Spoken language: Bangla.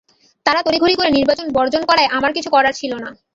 তাঁরা তড়িঘড়ি করে নির্বাচন বর্জন করায় আমার কিছু করার ছিল না।